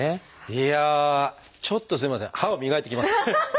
いやあちょっとすいません歯を磨いてきます。ハハハハ！